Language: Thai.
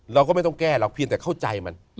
เราก็ไม่ต้องแก้หรอกเพียงแต่เข้าใจมัน